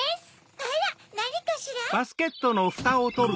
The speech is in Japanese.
あらなにかしら？